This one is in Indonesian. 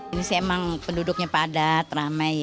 ini emang penduduknya padat ramai ya